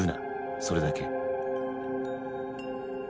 それだけ。